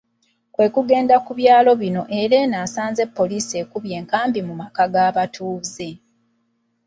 Kwe kugenda ku byalo bino era eno asanze ppoliisi ekubye enkambi mu maka g’abatuuze